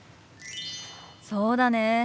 そうだね。